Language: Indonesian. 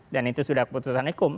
dan itu sudah keputusan hukum